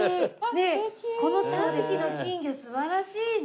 ねえこの３匹の金魚素晴らしいね！